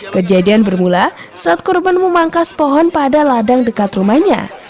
kejadian bermula saat korban memangkas pohon pada ladang dekat rumahnya